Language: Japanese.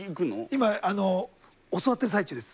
今あの教わってる最中です。